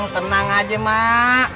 tenang aja mak